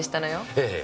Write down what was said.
ええ。